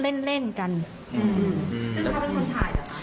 ซึ่งเขาเป็นคนถ่ายเหรอ